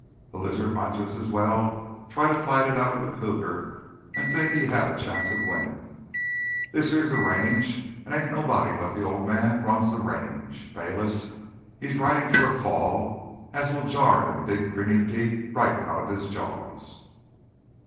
A lizard might jus' as well try to fight it out with a cougar an' think he hadda chance of winnin'. This here's th' Range, an' ain't nobody but th' Old Man runs th' Range! Bayliss, he's ridin' for a fall as will jar them big grinnin' teeth of his right outta his jaws!"